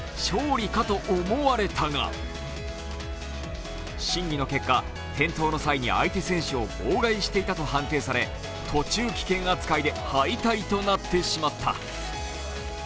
勝利かと思われたが審議の結果、転倒の際に相手選手を妨害していたと判定され途中棄権扱いで敗退となってじつった。